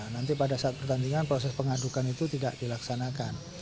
nanti pada saat pertandingan proses pengadukan itu tidak dilaksanakan